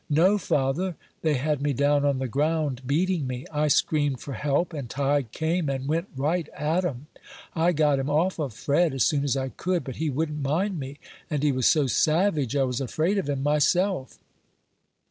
"No, father; they had me down on the ground, beating me; I screamed for help, and Tige came and went right at 'em. I got him off of Fred as soon as I could, but he wouldn't mind me; and he was so savage I was afraid of him myself."